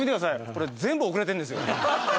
俺全部遅れてんですよ